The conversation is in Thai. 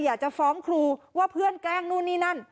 อยากจะฟ้องครูว่าเพื่อนแกล้งนู่นนี่นั่น